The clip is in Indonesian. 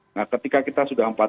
nah ketika kita sudah empat